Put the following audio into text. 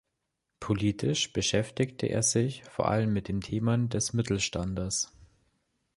Politisch beschäftigte er sich vor allem mit Themen des Mittelstandes.